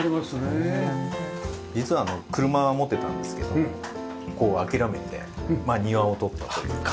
実はあの車を持ってたんですけども諦めて庭を取ったというか。